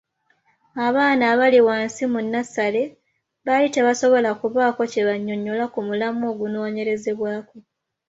Abaana abaali wansi mu nnassale baali tebasobola kubaako kye bannyonnyola ku mulamwa ogunoonyerezebwako.